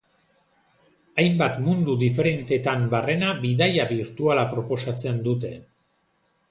Hainbat mundu diferentetan barrena bidaia birtuala proposatzen dute.